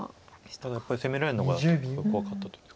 ただやっぱり攻められるのがちょっと怖かったという。